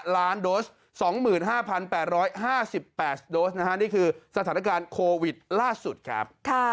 ล้านโดส๒๕๘๕๘โดสนะฮะนี่คือสถานการณ์โควิดล่าสุดครับ